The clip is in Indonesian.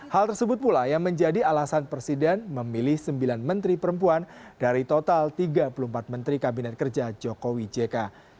hal tersebut pula yang menjadi alasan presiden memilih sembilan menteri perempuan dari total tiga puluh empat menteri kabinet kerja jokowi jk